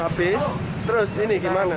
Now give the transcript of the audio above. habis terus ini gimana